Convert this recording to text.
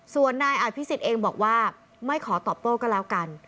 ส่วนนายอภิษฎเองบอกว่าไม่ขอตอบโต้ก็แล้วกัน